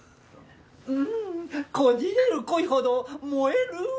うんこじれる恋ほど燃える。